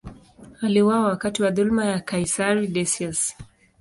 Aliuawa wakati wa dhuluma ya kaisari Decius.